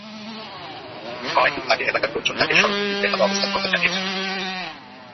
কয়েক দিন আগে এলাকার লোকজন তাঁকে সড়ক দুটির বেহাল অবস্থার কথা জানিয়েছেন।